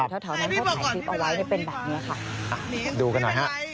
ท้าวนั้นเข้าถ่ายพี่ป่าวไลน์ให้เป็นแบบนี้ค่ะ